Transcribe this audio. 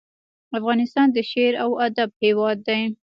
افغانستان د شعر او ادب هیواد دی